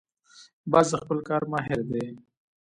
باز د خپل کار ماهر دی